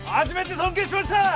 初めて尊敬しました。